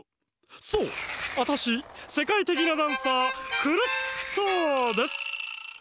そうアタシせかいてきなダンサークルットです！